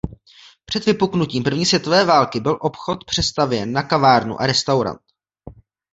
Před vypuknutím první světové války byl obchod přestavěn na kavárnu a restaurant.